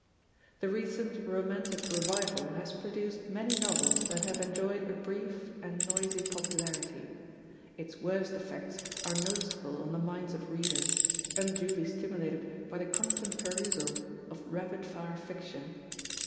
The recent Romantic Revival has produced many novels that have enjoyed a brief and noisy popularity; its worst effects are noticeable on the minds of readers, unduly stimulated by the constant perusal of rapid fire fiction.